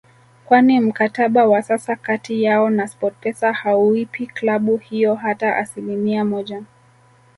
kwani mkataba wa sasa kati yao na Sportpesa hauipi klabu hiyo hata asilimia moja